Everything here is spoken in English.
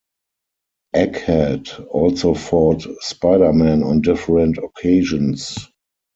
Egghead also fought Spider-Man on different occasions.